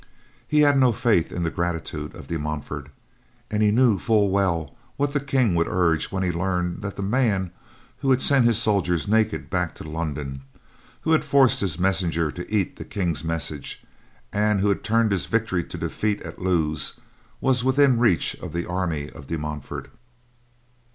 He had no faith in the gratitude of De Montfort, and he knew full well what the King would urge when he learned that the man who had sent his soldiers naked back to London, who had forced his messenger to eat the King's message, and who had turned his victory to defeat at Lewes, was within reach of the army of De Montfort.